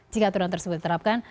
jika aturan tersebut diterapkan